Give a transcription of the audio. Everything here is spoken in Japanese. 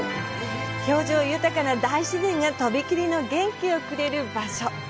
表情豊かな大自然が飛び切りの元気をくれる場所。